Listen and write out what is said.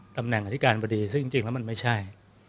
ตำแหน่งอธิการบดีซึ่งจริงแล้วมันไม่ใช่